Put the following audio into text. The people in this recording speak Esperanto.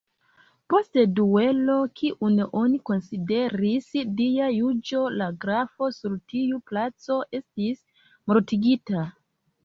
Post duelo, kiun oni konsideris Dia juĝo, la grafo sur tiu placo estis mortigita.